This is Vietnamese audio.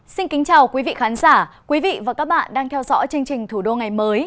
xin kính chào quý vị khán giả quý vị và các bạn đang theo dõi chương trình thủ đô ngày mới